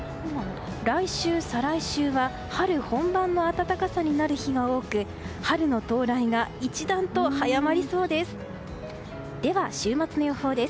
来週、再来週は春本番の暖かさになる日が多く春の到来が一段と早まりそうです。